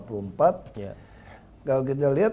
kalau kita lihat